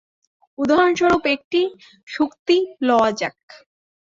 উদাহরণস্বরূপ একটি শুক্তি লওয়া যাক।